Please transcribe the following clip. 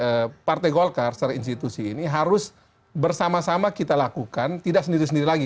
karena partai golkar secara institusi ini harus bersama sama kita lakukan tidak sendiri sendiri lagi